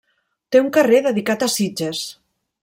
Té un carrer dedicat a Sitges.